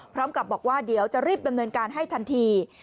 พร้อมกับบอกว่าเดี๋ยวจะรีบดำเนินการให้ทันที